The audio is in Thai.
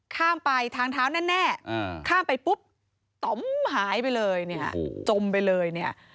ข้ามไปทางเท้านั่นแน่ข้ามไปปุ๊บหายไปเลยจมไปเลย